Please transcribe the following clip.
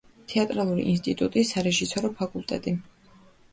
თეატრალური ინსტიტუტის სარეჟისორო ფაკულტეტი.